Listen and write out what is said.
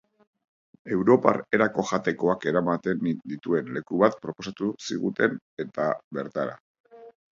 Europar erako jatekoak ematen dituen leku bat proposatu ziguten eta, bertara.